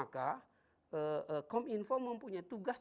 kominfo mempunyai tugas